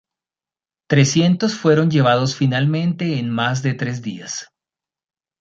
Trescientos fueron llevados finalmente en más de tres días.